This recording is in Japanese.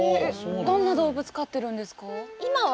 何の動物飼ってるんですか？